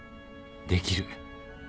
できる